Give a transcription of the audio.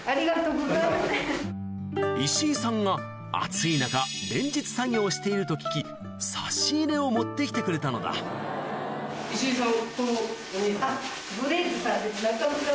石井さんが暑い中連日作業をしていると聞き差し入れを持って来てくれたのだ石井さん。